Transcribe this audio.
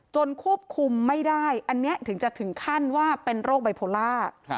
ควบคุมไม่ได้อันนี้ถึงจะถึงขั้นว่าเป็นโรคไบโพลา